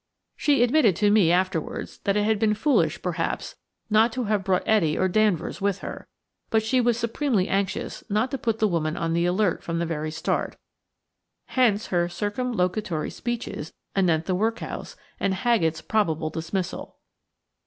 She admitted to me afterwards that it had been foolish, perhaps, not to have brought Etty or Danvers with her, but she was supremely anxious not to put the woman on the alert from the very start, hence her circumlocutory speeches anent the workhouse, and Haggett's probable dismissal.